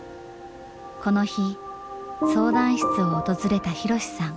この日相談室を訪れた博さん。